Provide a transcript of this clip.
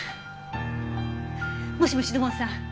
もしもし土門さん。